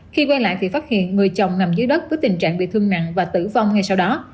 khi quay lại thì phát hiện người chồng nằm dưới đất với tình trạng bị thương nặng và tử vong ngay sau đó